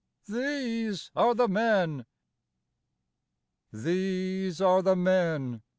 " These are the men ! These are the men